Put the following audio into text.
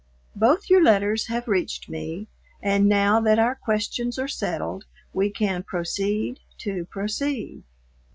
Both your letters have reached me, and now that our questions are settled we can proceed to proceed.